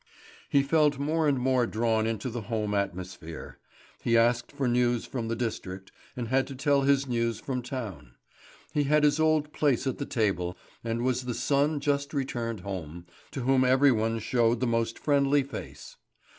He felt more and more drawn into the home atmosphere. He asked for news from the district, and had to tell his news from town. He had his old place at table, and was the son just returned home, to whom every one showed the most friendly face.